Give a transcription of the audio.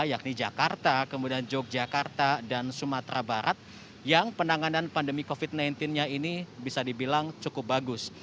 yakni jakarta kemudian yogyakarta dan sumatera barat yang penanganan pandemi covid sembilan belas nya ini bisa dibilang cukup bagus